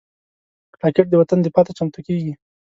راکټ د وطن دفاع ته چمتو کېږي